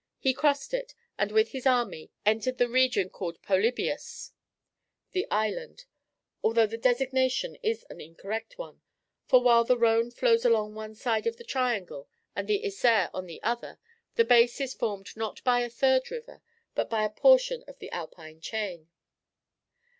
He crossed it, and with his army entered the region called by Polybius "The Island," although the designation is an incorrect one, for while the Rhone flows along one side of the triangle and the Isere on the other, the base is formed not by a third river, but by a portion of the Alpine chain.